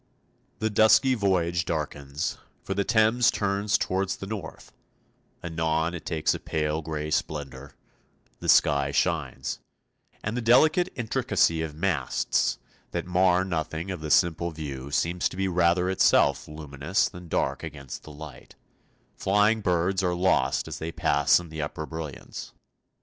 The dusky voyage darkens, for the Thames turns towards the north; anon it takes a pale grey splendour, the sky shines, and the delicate intricacy of masts that mar nothing of the simple view seems to be rather itself luminous than dark against the light; flying birds are lost as they pass in the upper brilliance.